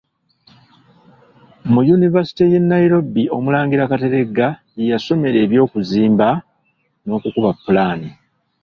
Mu yunivasite y’e Nairobi Omulangira Kateregga gye yasomera eby'okuzimba n’okukuba ppulaani.